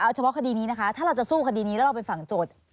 เอาเฉพาะคดีนี้นะคะถ้าเราจะสู้คดีนี้แล้วเราเป็นฝั่งโจทย์